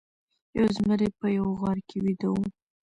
یو زمری په یوه غار کې ویده و.